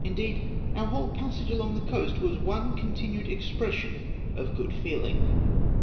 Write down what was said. Indeed, our whole passage along the coast was one continued expression of good feehng.